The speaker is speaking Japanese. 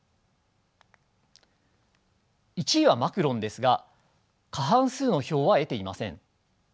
１位はマクロンですが過半数の票は得ていません。